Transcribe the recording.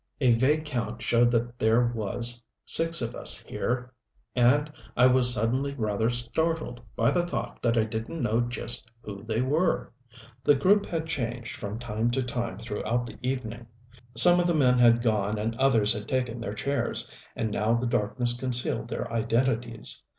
A vague count showed that there was six of us here and I was suddenly rather startled by the thought that I didn't know just who they were. The group had changed from time to time throughout the evening, some of the men had gone and others had taken their chairs, and now the darkness concealed their identities.